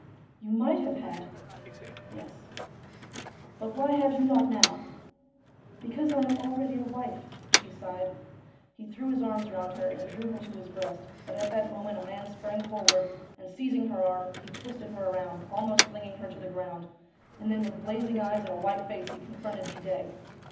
' You might have had !'' Yes.' ' But why have you not now ?'' Because I am already a wife,' she sighed. He threw his arms round her and drew her to his breast ; but at that moment a man sprang forward, and, seizing her arm, he twisted her round, almost flinging her to the ground, and then with blazing eyes and white face he confronted Didet.